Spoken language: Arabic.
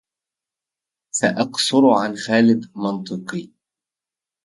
سأقصر عن خالد منطقي